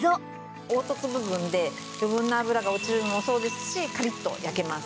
凹凸部分で余分な脂が落ちるのもそうですしカリッと焼けます。